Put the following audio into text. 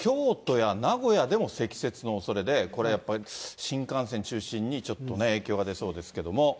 京都や名古屋でも積雪のおそれで、これやっぱり、新幹線中心に、ちょっとね、影響が出そうですけども。